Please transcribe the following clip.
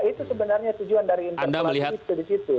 itu sebenarnya tujuan dari interpulasi